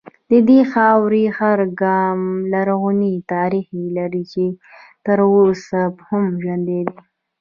د دې خاورې هر ګام لرغونی تاریخ لري چې تر اوسه هم ژوندی دی